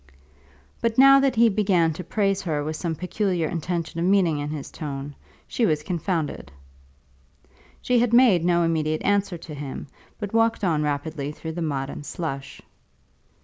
But now that he began to praise her with some peculiar intention of meaning in his tone, she was confounded. She had made no immediate answer to him, but walked on rapidly through the mud and slush.